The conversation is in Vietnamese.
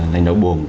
lãnh đạo bồ